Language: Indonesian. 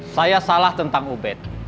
saya salah tentang ubed